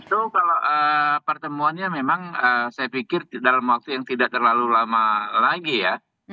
itu kalau pertemuannya memang saya pikir dalam waktu yang tidak terlalu lama lagi ya